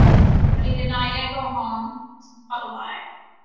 But he did not yet go home to Puddleby.